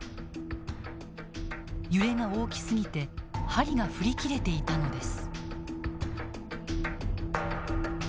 揺れが大きすぎて針が振り切れていたのです。